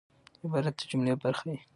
عبارت د جملې برخه يي.